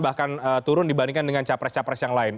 bahkan turun dibandingkan dengan capres capres yang lain